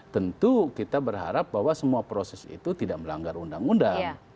tentu kita berharap bahwa semua proses itu tidak melanggar undang undang